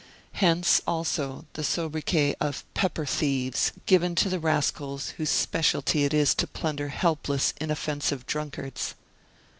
Hence, also, the sobriquet of "pepper thieves" given to the rascals whose specialty it is to plunder helpless, inoffensive drunkards.